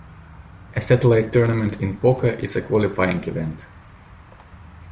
A satellite tournament in poker is a qualifying event.